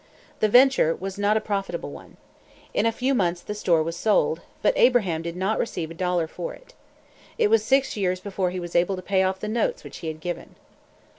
The venture was not a profitable one. In a few months the store was sold; but Abraham did not receive a dollar for it. It was six years before he was able to pay off the notes which he had given.